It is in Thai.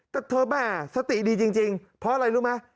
แต่เธอแม่สติดีจริงเพราะอะไรรู้ไหม